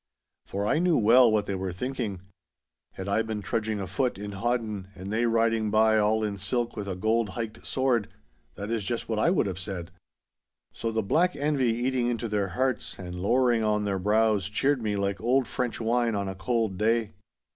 For I knew well what they were thinking. Had I been trudging afoot in hodden, and they riding by all in silk with a gold hiked sword, that is just what I should have said. So the black envy eating into their hearts and lowering on their brows cheered me like old French wine on a cold day.